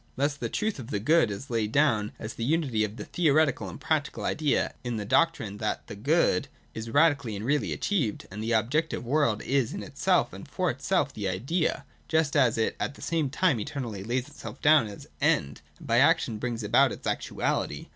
235.] Thus the truth of the Good is laid down as the unity of the theoretical and practical idea in the doc trine that the Good is radically and really achieved, that the objective world is in itself and for itself the Idea, just as it at the same time eternally lays itself down as End, and by action brings about its actuality.